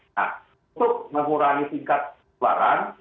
nah untuk mengurangi tingkat penularan